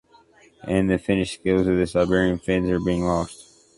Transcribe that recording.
And the Finnish skills of the Siberian Finns are being lost.